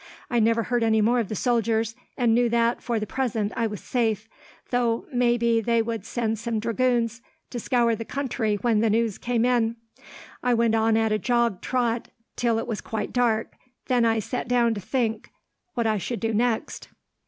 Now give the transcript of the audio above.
"I never heard any more of the soldiers, and knew that, for the present, I was safe, though maybe they would send some dragoons to scour the country when the news came in. I went on at a jog trot till it was quite dark; then I sat down to think what I should do next.